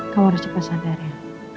kau harus cepat sadar ya